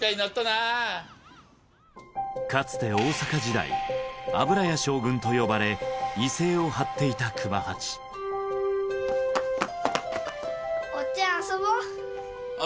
かつて大阪時代油屋将軍と呼ばれ威勢を張っていた熊八普通のおっちゃん！